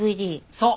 そう！